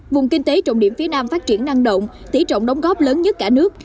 vùng kinh tế trọng điểm phía nam phát triển năng động tỉ trọng đóng góp lớn nhất cả nước